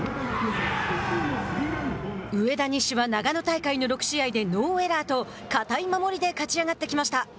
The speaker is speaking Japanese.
上田西は長野大会の６試合でノーエラーと堅い守りで勝ち上がってきました。